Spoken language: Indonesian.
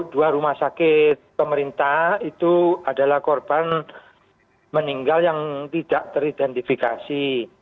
dua rumah sakit pemerintah itu adalah korban meninggal yang tidak teridentifikasi